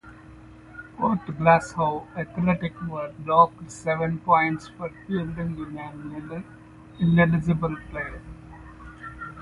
Port Glasgow Athletic were docked seven points for fielding an ineligible player.